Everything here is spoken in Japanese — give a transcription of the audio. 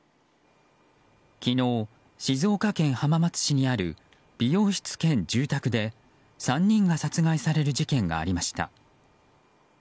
昨日、静岡県浜松市にある美容室兼住宅で３人が殺害される事件がありました。